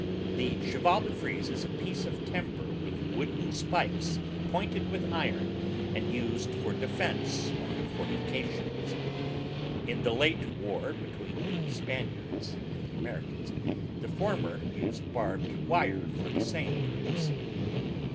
The "Chevaldefrise" is a piece of timber with wooden spikes pointed with iron, and used for defence on fortifications. In the late war between the Spaniards and the Americans, the former used barbed wire for the same purpose.